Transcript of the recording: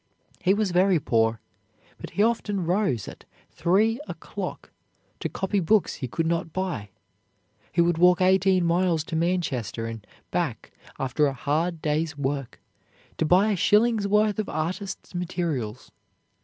He was very poor, but he often rose at three o'clock to copy books he could not buy. He would walk eighteen miles to Manchester and back after a hard day's work to buy a shilling's worth of artist's materials.